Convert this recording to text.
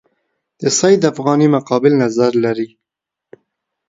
د سید افغاني مقابل نظر لري.